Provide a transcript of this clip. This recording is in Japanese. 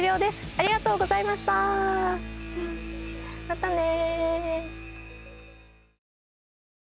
またね。